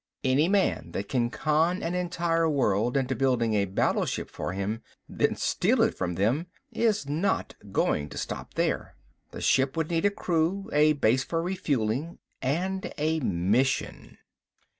Any man that can con an entire world into building a battleship for him then steal it from them is not going to stop there. The ship would need a crew, a base for refueling and a mission.